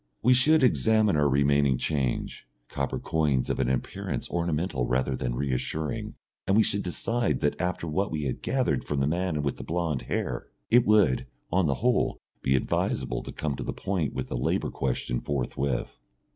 We should examine our remaining change, copper coins of an appearance ornamental rather than reassuring, and we should decide that after what we had gathered from the man with the blond hair, it would, on the whole, be advisable to come to the point with the labour question forthwith.